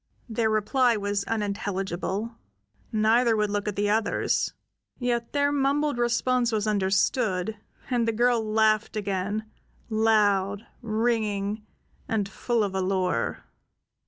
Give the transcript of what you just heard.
Their reply was unintelligible; neither would look at the others; yet their mumbled response was understood, and the girl laughed again, loud, ringing, and full of allure.